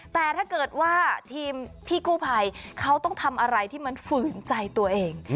แต่ถ้าเกิดว่าทีมพี่กู้ภัยเขาต้องทำอะไรที่มันฝืนใจตัวเอง